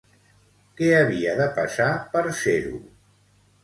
Què havia de passar per ser-ho?